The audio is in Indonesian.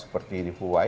seperti di fuwai